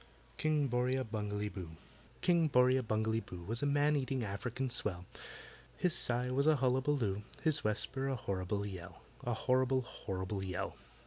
KING BORRIA BUNGALEE BOO KING BORRIA BUNGALEE BOO Was a man eating African swell; His sigh was a hullaballoo, His whisper a horrible yell— A horrible, horrible yell!